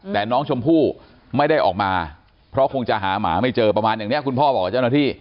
แต่น้องชมพู่ไม่ได้ออกมาเพราะคงจะหาหมาไม่เจอประมาณอย่างนี้คุณพ่อบอกกับเจ้าหน้าที่